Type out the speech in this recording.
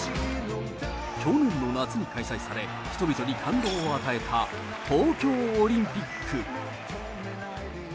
去年の夏に開催され、人々に感動を与えた東京オリンピック。